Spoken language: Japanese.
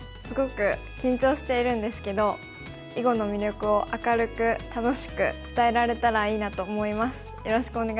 すごく緊張しているんですけど囲碁の魅力を明るく楽しく伝えられたらいいなと思います。